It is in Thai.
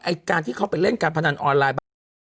ไอ้การที่เขาไปเล่นการพนันออนไลน์